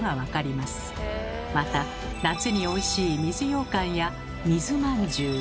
また夏においしい「水ようかん」や「水まんじゅう」